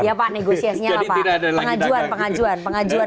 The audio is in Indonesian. jadi tidak ada lagi dagang